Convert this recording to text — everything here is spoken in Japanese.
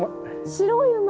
白い馬。